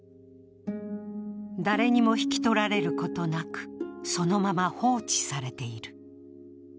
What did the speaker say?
誰にも引き取られることなく、そのまま放置されている。